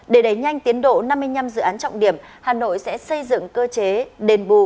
để đẩy nhanh tiến độ năm mươi năm dự án trọng điểm hà nội sẽ xây dựng cơ chế đền bù